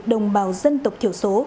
đồng bào dân tộc thiểu số